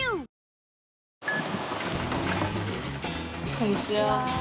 こんにちは。